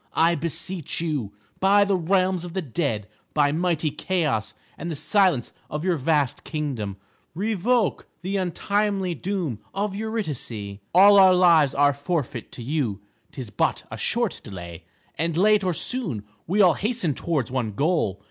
I beseech you, by the realms of the dead, by mighty Chaos and the silence of your vast kingdom, revoke the untimely doom of Eurydice. All our lives are forfeit to you. 'Tis but a short delay, and late or soon we all hasten towards one goal.